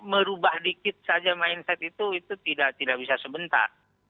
merubah dikit saja mindset itu tidak bisa sebentar